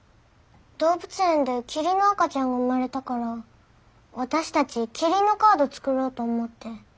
動物園でキリンの赤ちゃんが生まれたから私たちキリンのカード作ろうと思って。